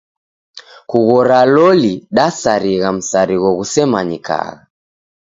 Kughora loli dasarigha msarigho ghusemanyikagha.